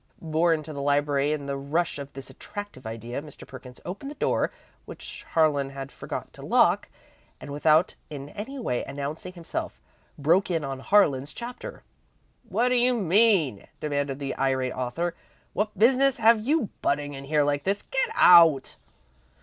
Borne to the library in the rush of this attractive idea, Mr. Perkins opened the door, which Harlan had forgotten to lock, and without in any way announcing himself, broke in on Harlan's chapter. "What do you mean?" demanded the irate author. "What business have you butting in here like this? Get out!"